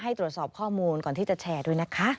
ตรวจสอบข้อมูลก่อนที่จะแชร์ด้วยนะคะ